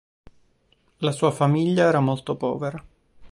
La sua famiglia era molto povera.